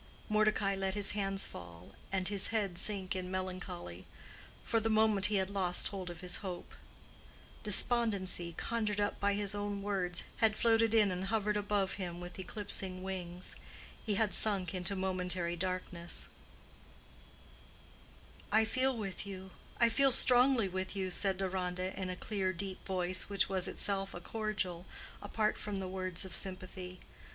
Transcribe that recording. Mordecai let his hands fall, and his head sink in melancholy: for the moment he had lost hold of his hope. Despondency, conjured up by his own words, had floated in and hovered above him with eclipsing wings. He had sunk into momentary darkness, "I feel with you—I feel strongly with you," said Deronda, in a clear deep voice which was itself a cordial, apart from the words of sympathy.